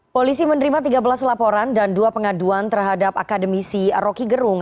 polisi menerima tiga belas laporan dan dua pengaduan terhadap akademisi roky gerung